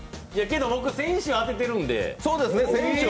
けど僕、先週、当ててるんで。